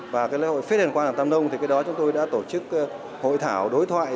và lễ hội phết hền quang tâm nông thì cái đó chúng tôi đã tổ chức hội thảo đối thoại